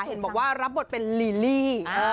เห็นบอกว่ารับบทเป็นลีลลี่